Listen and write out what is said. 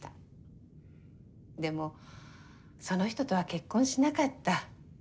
でもその人とは結婚しなかった。